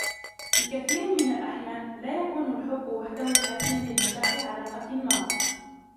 في كثير من الأحيان لا يكون الحب وحده كافيًا لنجاح علاقة ما